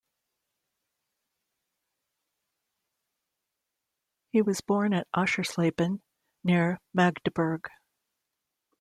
He was born at Aschersleben, near Magdeburg.